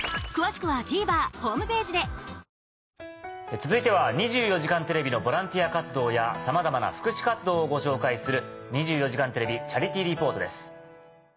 続いては『２４時間テレビ』のボランティア活動やさまざまな福祉活動をご紹介する。